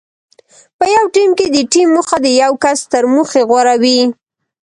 په یو ټیم کې د ټیم موخه د یو کس تر موخې غوره وي.